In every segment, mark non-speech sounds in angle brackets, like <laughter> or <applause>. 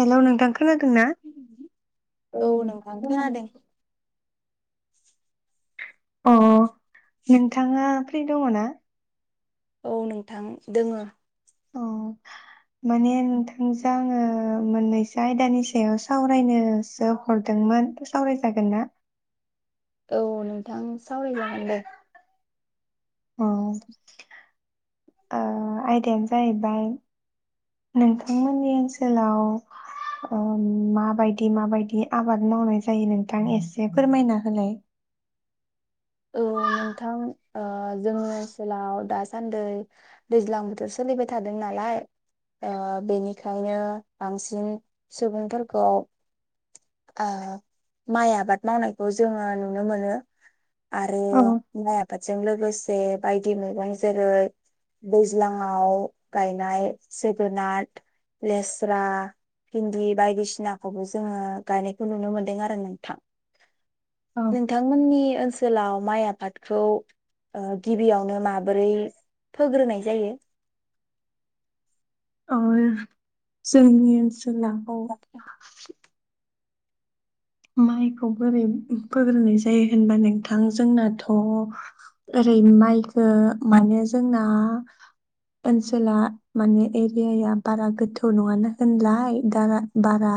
हेल' नोंथां खोनादों ना औ नोंथां खोनादों अ नोंथाङा फ्रि दङ ना औ नोंथां दोङो अ माने नोंथांजों आङो मोननैसो आयदानि सायाव सावरायनोसो हरदोंमोन सावरायजागोन ना? औ नोंथां सावरायजागोन दे अ <inaudible> ओ आयदायानो जाहैबाय नोंथांमोननि ओनसोलाव ओ माबायदि माबायदि आबाद मावनाय जायो नोंथां एसे फोरमायना होलाय औ नोंथां ओ जोंनि ओनसोलाव दासान्दै दैज्लां बोथोर सोलिबाय थादों नालाय ओ बेनिखायनो बांसिन सुबुंफोरखौ ओ माइ आबाद मावनायखौ जोङो नुनो मोनो आरो औ माइ आ बादजों लोगोसे बायदि मैगं जेरै दैज्लाङाव गायनाय जोगोनार लेस्रा भिन्दि बायदिसिनाखौबो जोङो गायनायखौ नुनो मोनदों आरो नोंथां औ नोंथांमोननि ओस गाव माइ आबादखौ ओ गिबियावनो माबोरै फोग्रोनाय जायो ओ जोंनि ओनसो <unintelligible> माइखौ बोरै फोग्रोनाय जायो होनबा नोंथां जोंनाथ' ओरै माइखो माने जोंना ओनसोला माने एरियाया बारा गोथौ नङानो होनलाय दाना दारा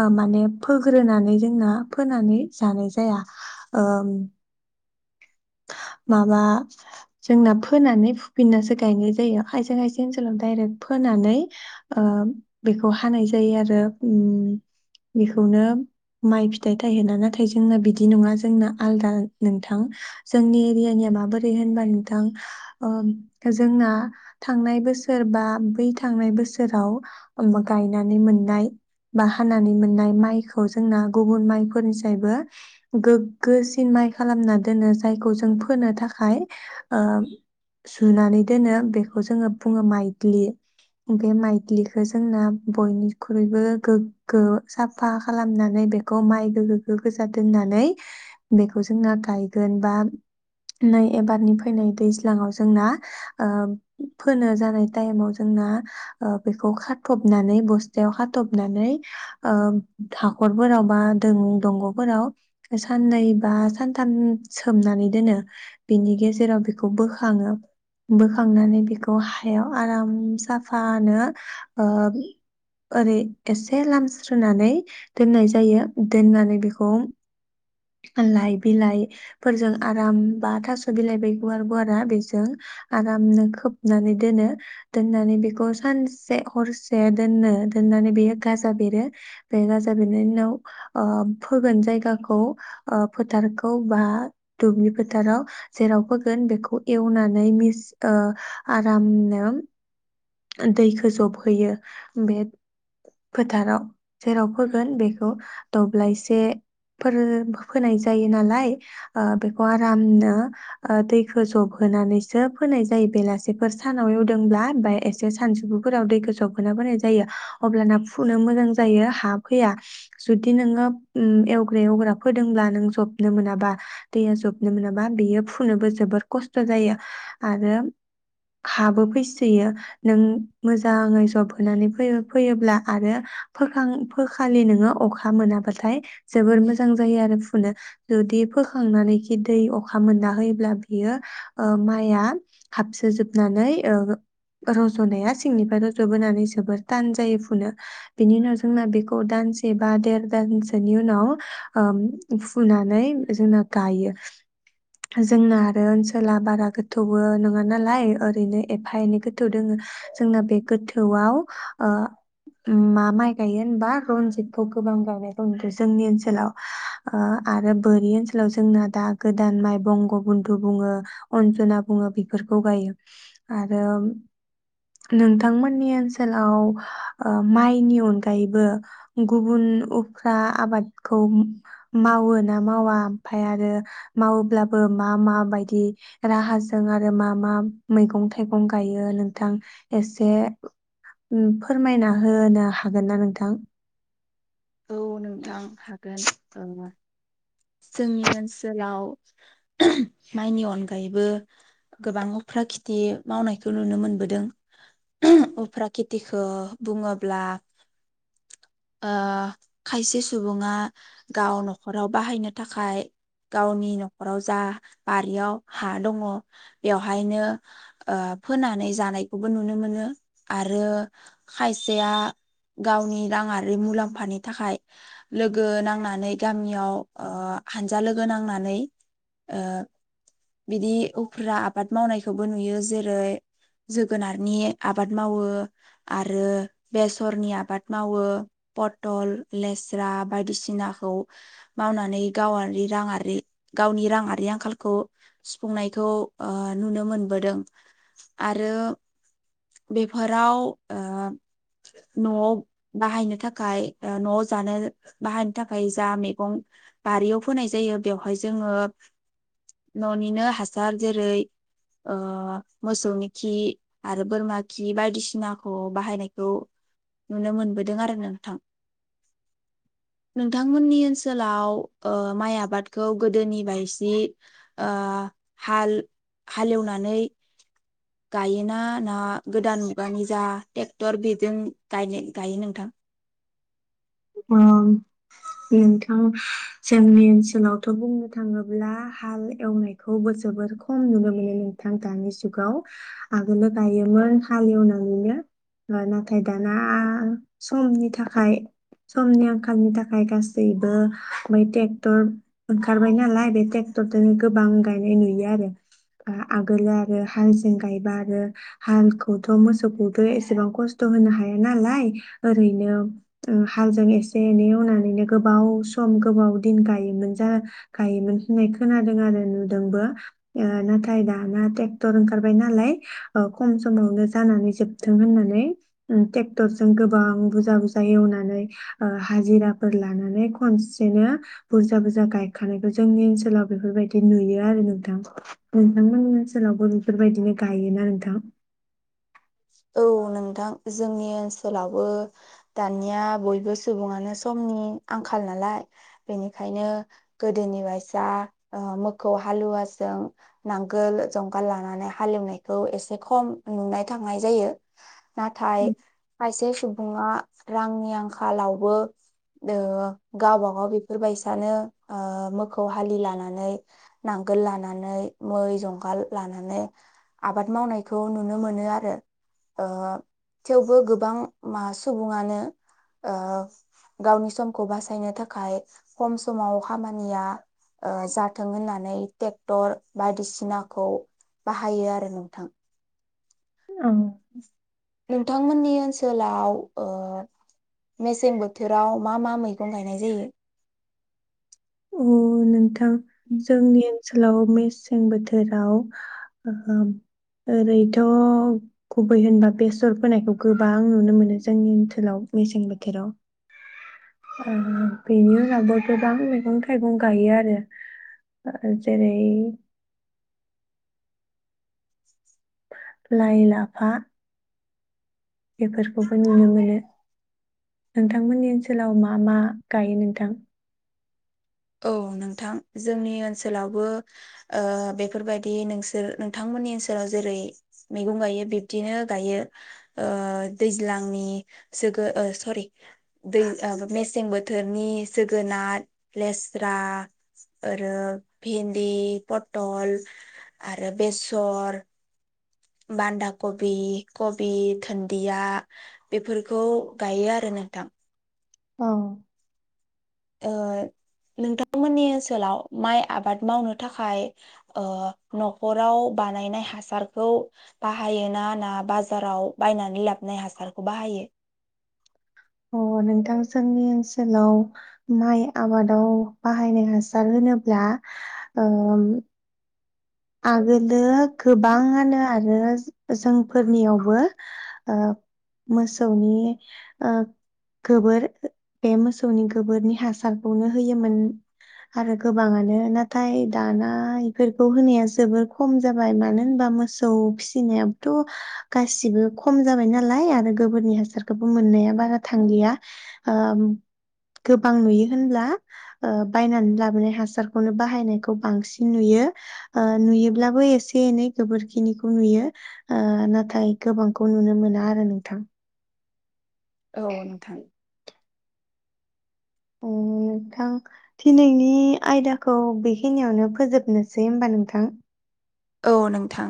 ओ माने फोग्रोनान नै जोंना फोनानै जानाय जाया ओम माबा जोंना फोनानै फुफिननासो गायनाय जायो खायसे खायसे ओनसोलाव डायरेक्ट फोनानै ओ बेखौ हानाय जायो आरो उम बेखौनो माइ फिथाइ थायहोना नाथाय जोंना बिदि नङा जोंना आलदा नोंथां जोंनि एरियानिया माबोरै होनबा नोंथां ओ जोंना थांनाय बोसोर बा बै थांनाय बोसोराव गायनानै मोननाय बा हानानै मोननाय माइखौ जोंना गुबुन माइफोरनिसायबो गोग्गोसिन माइ खालामना दोनो माइखौ जों फोनो थाखाय ओ जुनानै दोनो बेखौ जोङो बुङो माइदलि बे माइदलि जोंना बयनिख्रुइबो गोग्गो साफा खालामनानै बेखौ माइ गोगगो गोजा दोननानै बेखौ जोंना गायगोन बा नै एबारनि फैनाय दैज्लाङाव जोंना ओ फोनो जानाय टाइमाव जोंना बेखौ खाथबनानै बस्थायाव खाथबनानै ओ हाखरफोराव बा दं-दंग'फोराव साननै बा सानथाम सोमनानै दोनो बिनि गेजेराव बिखौ बोखाङो बोखांनानै बिखौ हायाव आराम साफानो ओ ओरै एसे लामस्रोनानै दोननाय जायो दोननानै बिखौ लाइ बिलाइफोरजों आराम बा थास' बिलाइ बे गुवार गुवारा बेजों आरामनो खोबनानै दोनो दोननानै बेखौ सानसे हरसे दोनो दोननानै बेयो गाजा बेरो बे गाजा बेरनायनि उनाव ओ फोगोन जायगाखौ ओ फोथारखौ बा दुब्लि फोथाराव जेराव फोगोन बेखौ एवनानै मिस ओ आरामनो दैखो जबहोयो बे फोथाराव जेराव फोगोन बेखौ दब्लायसे फोर बो फोनाय जायो नालाय ओ बेखौ आरामनो ओ दैखो जबहोनानैसो फोनाय जायो बेलासिफोर सानाव एवदोंब्ला बाय एसे सानजुफुफोराव दैखो जबहोना फोनाय जायो अब्लाना फुनो मोजां जायो हा फैया जुदि नोङो उम एवग्रि एवग्रा फोदोंब्ला नों जबनो मोनाबा दैया जबनो मोनाबा बेयो फुनोबो जोबोर खस्थ' जायो आरो हाबो फैसोयो नों मोजाङै जबहोनानै फो-फोयोब्ला आरो फोखां फोखालि नोङो अखा मोनाबाथाय जोबोर मोजां मोजां जायो आरो फुनो जुदि फोखांनानैखि दै अखा मोनना होयोब्ला बियो माइआ हाबसोजोबनानै रज'नाया सिंनिफ्राय रज'बोनानै जोबोर थान जायो फुनो बेनि उनाव जोंना बेखौ दानसे बा देर दानसोनि उनाव फुनानै जोंना गायो जोंना आरो ओनसोला बारा गोथौबो नङा नालाय ओरैनो एफा एनै गोथौ दोङो जोंना बे गोथौआव मा माइ गायो होनबा रनजितखौ गोबां गायनायखौ नुदो जोंनि ओनसोलाव ओ आरो बोरि ओनसोलाव जोंना दा गोदान माइ बंग बन्धु बुङो अन्जना बुङो बेफोरखौ गायो आरो नोंथांमोननि ओनसोलाव माइनि अनगायैबो गुबुन उफ्रा आबादखौ औ मावो ना मावा ओमफाय आरो मावोब्लाबो मा माबायदि राहाजों आरो मा मा मैगं थाइगं गायो नोंथां एसे उम फोरमायना होनो हागोन ना नोंथां नोंथां हागोन औ जोंनि ओनसोलाव माइनि अनगायैबो गोबां उफ्रा खिथि मावनायखौ नुनो मोनबोदों। <inaudible> दिखौ बुङोब्ला खायसे सुबुङा गाव न'खराव बाहायनो थाखाय गावनि न'खराव जा बारियाव हा दङ बेवहायनो ओ फोनानै जानायखौबो नुनो मोनो आरो खायसेया गावनि राङारि मुलाम्फानि थाखाय लोगो नांनानै गामियाव हानजा लोगो नांनानै बिदि उफ्रा आबाद मावनायखौबो नुयो जेरै जोगोनारनि आबाद मावो आरो बेसरनि आबाद मावो पटल लेस्रा बायदिसिनाखौ मावनानै गावारि राङारि गावनि राङारि आंखालखौ सुफुंनायखौ ओ नुनो मोनबोदों आरो बेफोराव ओ न'आव बाहायनो थाखाय ओ न'आव जानो बाहायनो थाखाय जा मेगं बारियाव फोनाय जायो बेवहाय जोङो न'निनो हासार जेरै ओ मोसौनि खि आरो बोरमा खि बायदिसिनाखौ बाहायनायखौ नुनो मोनबोदों आरो नोंथां नोंथांमोननि ओनसोलाव ओ माइ आबादखौ गोदोनि बाय सि ओ हाल हालेवनानै गायोना ना गोदान मुगानि जा टेक्टर बेजों गायनाय गायो नोंथां ओं नोंथां जोंनि ओनसोलावथ' बुंनो थाङोब्ला हाल एवनायखौबो जोबोर खम नुनो मोनो नोंथां दानि जुगाव आगोलो गायोमोन हाल एवनानैनो नाथाय दाना समनि थाखाय समनि आंखालनि थाखाय गासैबो बै टेक्टर ओंखारबाय नालाय बे टेक्टरदोनो गोबां गायनाय नुयो आरो आ आगोलो आरो हालजों गायबा आरो हालखौथ' मोसौखौथ' एसेबां खस्थ' होनो हाया नालाय ओरैनो हालजों एसे एनै एवनानैनो गोबाव सम गोबाव दिन गायोमोन गायोमोन होननाय खोनादों आरो नुदोंबो नाथाय दाना ट्रेक्टर ओंखारबाय नालाय खम समावनो जानानै जोबथों होननानै ट्रेक्टरजों गोबां बुरजा बुरजा एवनानै नै ओ हाजिराफोर लानानै खनसेनो बुरजा बुरजा गायखानायखौ जोंनि ओनसोलाव बेफोरबायदि नुयो आरो नोंथां नोंथांमोननि ओनसोलावबो बेफोरबायदिनो गायोना नोंथां औ नोंथां जोंनि ओनसोलावबो दानिया बयबो सुबुङानो समनि आंखाल नालाय बेनिखायनो गोदोनि बायसा ओ मोखौ हालुवाजों नांगोल जंगाल लानानै हालवनायखौ एसे खम नुनाय थांनाय जायो। नाथाय फारसे सुबुङा रांनि आंखालावबो ओ गावबागाव बेफोरबायसानो ओ मोखौ हालि लानानै नांगोल लानानै मै जंगाल लानानै आबाद मावनायखौ नुनो मोनो आर रो ओ थेवबो गोबां मा सुबुङानो ओ गावनि समखौ बासायनो थाखाय खम समाव खामानिया ओ जाथों होननानै टेक्टर बायदिसिनाखौ बाहायो आरो नोंथां औ नोंथांमोननि ओनसोलाव ओ मेसें बोथोराव मा मा मैगं गायनाय जायो अ नोंथां जोंनि ओनसोलाव मेसें बोथोराव ओरैथ' गुबै होनबा बेसर फोनायखौ गोबां नुनो मोनो जोंनि ओनसोलाव मेसें बोथोराव ओ बेनि उनावबो गोबां मैगं थाइगं गायो आरो ओ जेरै लाइ लाफा बेफोरखौबो नुनो मोनो नोंथांमोननि ओनसोलाव मा मा गायो नोंथां औ नोंथां जोंनि ओनसोलावबो ओ बेफोरबायदि नोंसोर नोंथांमोननि ओनसोलाव जेरै मैगं गायो बिब्दिनो गायो ओ दैज्लांनि सोगो ओ सरि दै ओ मेसें बोथोरनि जोगोनार लेस्रा ओरो भिन्दि पटल आरो बेसर बान्दा कबि कबि धोनदिया बेफोरखौ गायो आरो नोंथां औ ओ नोंथांमोननि ओनसोलाव माइ आबाद मावनो थाखाय न'खराव ओ बानायनाय हासारखौ बाहायोना ना बाजाराव बायनानै लाबाय हासारखौ बाहायो। अ नोंथां जोंनि ओनसोलाव माइ आबादाव बाहायनाय हासार होनोब्ला ओम आगोलो गोबाङानो आरो जोंफोरनियावबो ओ मोसौनि ओ गोबोर बे मोसौनि गोबोरनि हासारखौनो होयोमोन आरो गोबाङानो नाथाय दाना इफोरखौ होनाया जोबोर खम जाबाय मानो होनबा मोसौ फिसिनायाबोथ' गासिबो खम जाबाय नालाय आरो गोबोरनि हासारखौबो मोननाया बारा थांलिया ओ गोबां नुयो होनब्ला बायनानै लाबोनाय हासारखौनो बाहायनायखौ बांसिन नुयो। ओ नुयोब्लाबो एसे एनै गोबोरखिनिखौ नुयो ओ नाथाय गोबांखौ नुनो मोना आरो नोंथां औ नोंथां उम नोंथां दिनैनि आयदाखौ बेखिनियावनो फोजोबनोसै होनबा नोंथां। औ नोंथां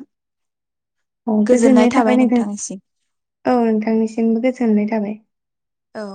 औ गोजोननाय थाबाय नोंथां औ नोंथांनिसिमबो गोजोननाय थाबाय औ